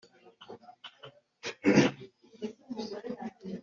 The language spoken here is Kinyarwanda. ubwo aba bantu baje kuguhamagara uhaguruke